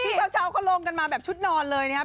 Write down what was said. เช้าเขาลงกันมาแบบชุดนอนเลยนะครับ